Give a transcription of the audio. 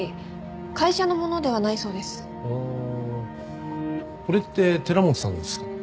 これって寺本さんのですか？